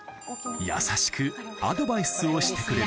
優しくアドバイスをしてくれる。